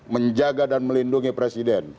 menjaga dan melindungi presiden